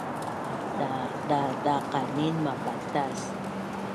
Daqdaqanin mapatas